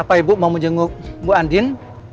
apa ibu mau jenguk bu andin